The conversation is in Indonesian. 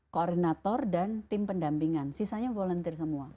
koordinator dan tim pendampingan sisanya volunteer semua